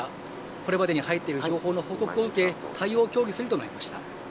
これまでに入っている情報の報告を受け対応を協議すると述べました。